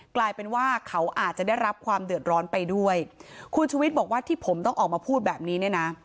กลายเป็นว่าเขาอาจจะได้รับความเดือดร้อนไปด้วยคุณชุวิตบอกว่าที่ผมต้องออกมาพูดแบบนี้เนี่ยนะ